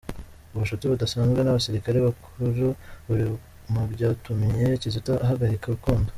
Ubucuti budasanzwe n’abasirikare bakuru buri mubyatumye Kizito ahagarika urukundo